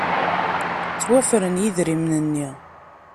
Ttwaffren yidrimen-nni.